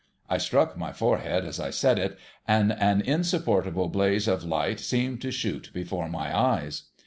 I struck my forehead as I said it, and an insupportable blaze of light seemed to shoot before my eyes.